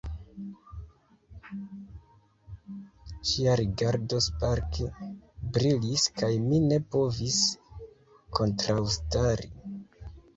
Ŝia rigardo sparke brilis kaj mi ne povis kontraŭstari.